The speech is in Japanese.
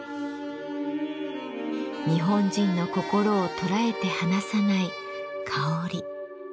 日本人の心を捉えて離さない香り。